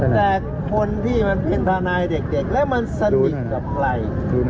แต่คนที่มันเป็นทนายเด็กแล้วมันสนิทกับใคร